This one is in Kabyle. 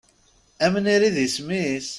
Amnir i d isem-is?